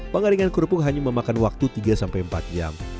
pengaringan kerubuk hanya memakan waktu tiga sampai empat jam